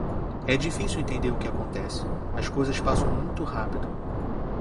É difícil de entender o que acontece, as coisas passam muito rápido.